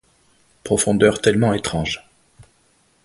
Profondeur tellement étrange